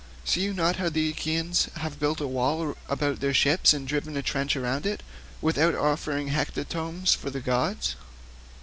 See you not how the Achaeans have built a wall about their ships and driven a trench all round it, without offering hecatombs to the gods?